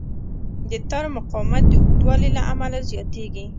د تار مقاومت د اوږدوالي له امله زیاتېږي.